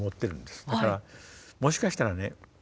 だからもしかしたらね